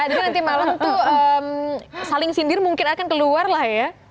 jadi nanti malam tuh saling sindir mungkin akan keluar lah ya